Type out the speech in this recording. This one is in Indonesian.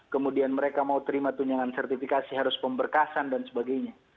kemudian mereka mau terima tunjangan sertifikasi harus pemberkasan dan sebagainya